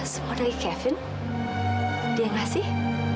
semua dari kevin dia ngasih